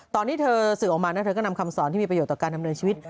ตอนที่เธอสื่อออกมานะเธอก็นำคำสอนที่มีประโยชน์ต่อการดำเนินชีวิต